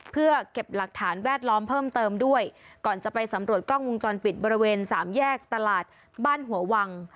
เพื่อเก็บหลักฐานแวดล้อมเพิ่มเติมด้วยก่อนจะไปสำรวจกล้องวงจรปิดบริเวณสามแยกตลาดบ้านหัววัง